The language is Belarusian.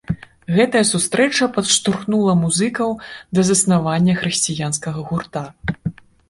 Гэтая сустрэча падштурхнула музыкаў да заснавання хрысціянскага гурта.